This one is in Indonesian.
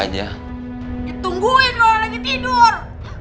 ya tungguin loh lagi tidur